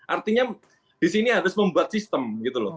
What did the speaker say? artinya di sini harus membuat sistem gitu loh